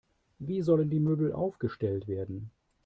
Wie sollen die Möbel aufgestellt werden?